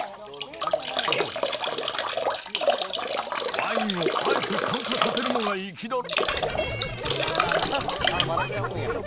ワインをあえて酸化させるのが粋だろ。